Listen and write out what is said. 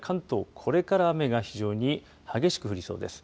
これから雨が非常に激しく降りそうです。